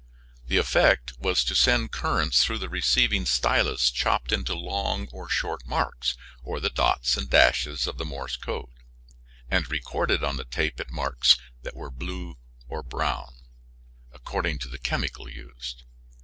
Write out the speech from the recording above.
The effect was to send currents through the receiving stylus chopped into long or short marks, or the dots and dashes of the Morse code, and recorded on the tape in marks that were blue or brown, according to the chemical used.